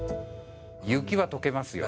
雪はとけますよ。